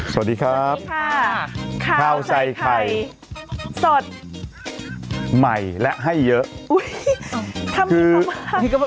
สวัสดีครับค่ะข้าวใส่ไข่สดใหม่และให้เยอะอุ้ยทำดีมาก